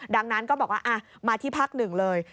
ดังนั้นก็บอกว่ามาที่พักหนึ่งเลย